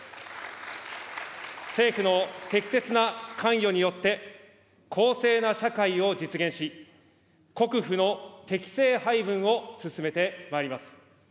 政府の適切な関与によって、公正な社会を実現し、国富の適正配分を進めてまいります。